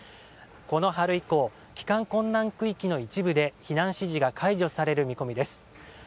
この春以降帰還困難区域の一部で避難指示が解除される見込みです。